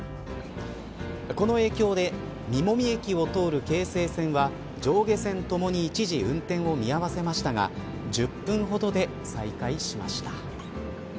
この影響で実籾駅を通る京成線は上下線ともに一時運転を見合わせましたが１０分ほどで再開しました。